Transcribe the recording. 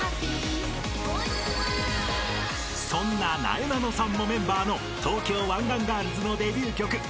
［そんななえなのさんもメンバーの東京湾岸がーるずのデビュー曲『はろー！